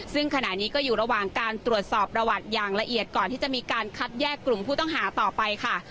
ซึ่งขณะนี้ก็อยู่ระหว่างการตรวจสอบประวัติอย่างละเอียดก่อนที่จะมีการคัดแยกกลุ่มผู้ต้องหาต่อไปค่ะ